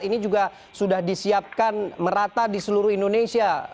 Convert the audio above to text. ini juga sudah disiapkan merata di seluruh indonesia